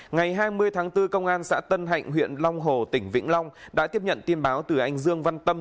ngày hai mươi tháng bốn công an xã tân hạnh huyện long hồ tỉnh vĩnh long đã tiếp nhận tin báo từ anh dương văn tâm